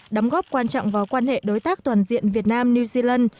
đóng góp quan trọng vào quan hệ đối tác toàn diện việt nam new zealand